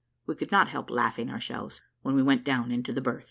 We could not help laughing ourselves when we went down into the berth.